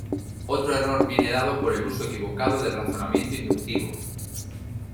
Otro error viene dado por el uso equivocado del razonamiento inductivo.